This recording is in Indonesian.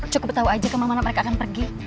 cukup tahu aja kemana mana mereka akan pergi